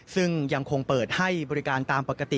ซึ่งยังคงเปิดให้บริการตามปกติ